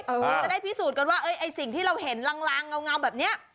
จะได้พิสูจน์กันว่าไอ้สิ่งที่เราเห็นลางเงาแบบนี้